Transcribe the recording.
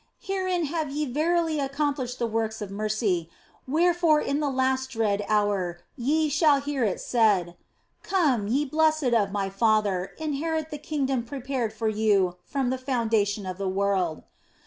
Herein have ye verily accomplished the works of mercy, wherefore in the last dread hour ye shall hear it said, Come, ye blessed of My Father, inherit the kingdom prepared for you from the foundation of the world.